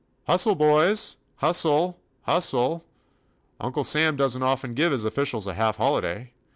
"Hustle, boys! Hustle I Hustle! Uncle Sam does n't often give his offi cials ^ half holiday!